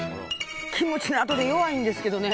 キムチのあとじゃ弱いんですけどね。